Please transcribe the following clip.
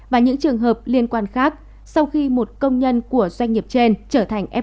và những trường hợp liên quan khác sau khi một công nhân của doanh nghiệp trên trở thành em